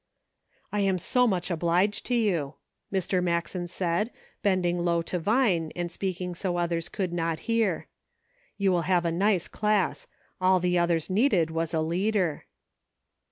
" I am so much obliged to you," Mr. Maxen said, bending low to Vine, and speaking so others could not hear. " You will have a nice class. All the others needed was a leader."